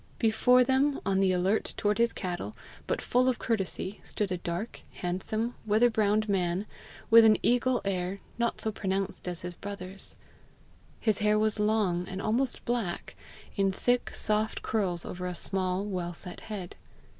Before them, on the alert toward his cattle, but full of courtesy, stood a dark, handsome, weather browned man, with an eagle air, not so pronounced as his brother's. His hair was long, and almost black, in thick, soft curls over a small, well set head.